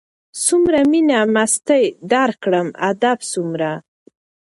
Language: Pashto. څومره مينه مستي درکړم ادب څومره